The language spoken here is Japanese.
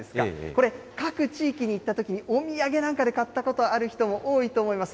これ、各地域に行ったときにお土産なんかで買ったことある人も多いと思います。